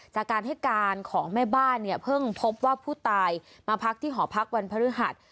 จากการให้การของแม่บ้านเนี่ยเพิ่งพบว่าผู้ตายมาพักที่หอพักวันพฤหัส